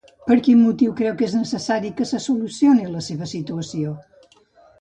Per quin motiu creu que és necessari que se solucioni la seva situació?